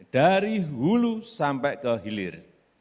dari hulu sampai ke hilir